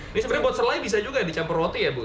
ini sebenarnya buat selai bisa juga dicampur roti ya bu